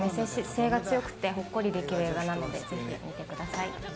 ほっこりできる映画なので、ぜひ見てください。